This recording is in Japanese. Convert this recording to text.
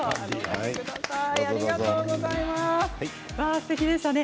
すてきでしたね。